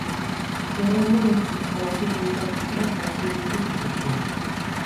Gerra ondoren instalazio militar guztiak parke bihurtu zituzten.